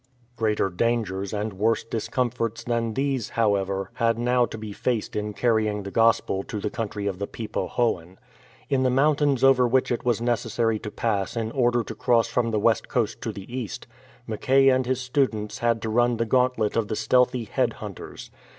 Greater dangers and worse discomforts than these, however, had now to be faced in carrying the Gospel to the country of the Pe po hoan. In the mountains over which it was necessary to pass in order to cross from the west coast to the east, Mackay and his students had to run the gauntlet of the stealthy head hunters.